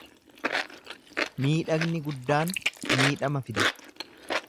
Miidhagni guddaan miidhama fida.